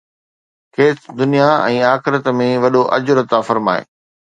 کيس دنيا ۽ آخرت ۾ وڏو اجر عطا فرمائي.